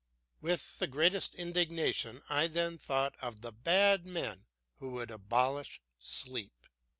With the greatest indignation I then thought of the bad men who would abolish sleep.